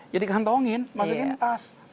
ya dikantongin masukin tas